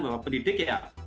bapak pendidik ya